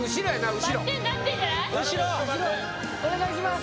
後ろお願いします